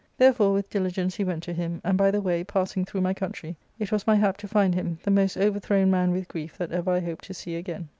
Therefore with diligence he went to him, and by the way, passing through my country, it was my hap to find him, the most overthrown man with grief that ever I hope to see again.